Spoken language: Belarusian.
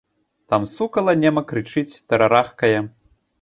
Там сукала нема крычыць, тарарахкае.